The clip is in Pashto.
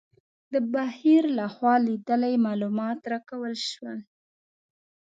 د بهیر لخوا لیدلي معلومات راکول شول.